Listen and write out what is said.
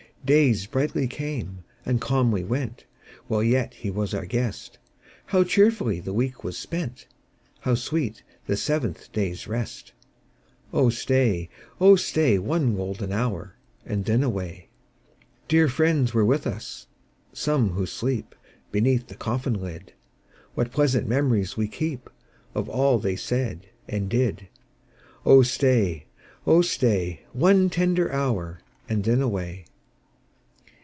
Days brightly came and calmly went, While yet he was our guest ; How cheerfully the week was spent ! How sweet the seventh day's rest ! Oh stay, oh stay. One golden hour, and then away. Dear friends were with us, some who sleep Beneath the coffin lid : What pleasant memories we keep Of all they said and did ! Oh stay, oh stay, One tender hour, and then away.